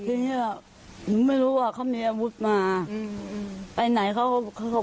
พี่เฮียหนูไม่รู้ว่าเขามีอาวุธมาไปไหนเขาก็